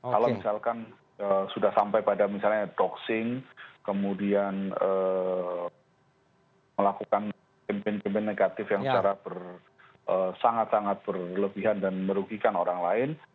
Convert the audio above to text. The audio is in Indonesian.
kalau misalkan sudah sampai pada misalnya doxing kemudian melakukan kempen kempen negatif yang secara sangat sangat berlebihan dan merugikan orang lain